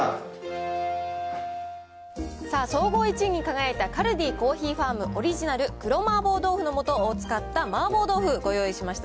さあ、総合１位に輝いた、カルディコーヒーファームオリジナル黒麻婆豆腐の素を使った麻婆豆腐、ご用意しました。